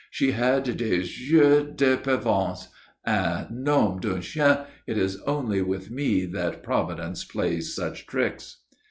She had des yeux de pervenche. Ah! nom d'un chien! It is only with me that Providence plays such tricks."